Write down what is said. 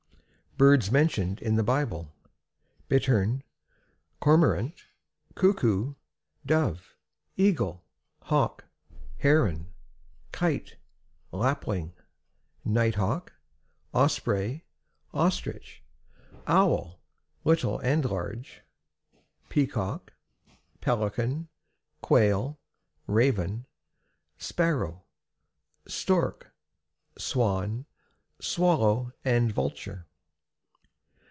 BIRDS MENTIONED IN THE BIBLE. Bittern, Cormorant, Cuckoo, Dove, Eagle, Hawk, Heron, Kite, Lapwing, Night hawk, Osprey, Ostrich, Owl little and large Peacock, Pelican, Quail, Raven, Sparrow, Stork, Swan, Swallow, and Vulture.